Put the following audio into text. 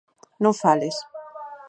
¡Non fales!